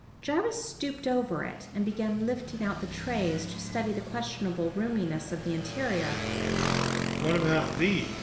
Jarvis stooped over it, and began lifting out the trays, to study the questionable roominess of the interior.